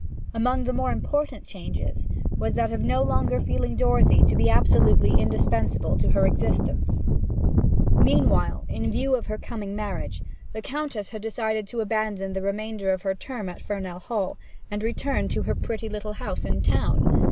Among the more important changes was that of no longer feeling Dorothy to be absolutely indispensable to her existence. Meanwhile, in view of her coming marriage, the Countess decided to abandon the remainder of her term at Fernell Hall, and return to her pretty little house in town.